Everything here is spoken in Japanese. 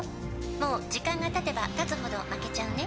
「もう時間がたてばたつほど負けちゃうね」